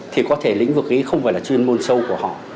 thì có thể lĩnh vực ấy không phải là chuyên môn sâu của họ